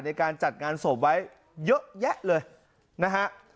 ในการจัดงานศพไว้เยอะแยะเลยนะฮะ